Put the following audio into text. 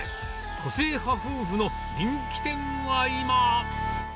個性派夫婦の人気店は今。